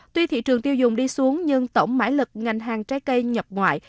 tuy thị trường tiêu dùng đi xuống nhưng tổng mãi lực ngành hàng trái cây nhập ngoại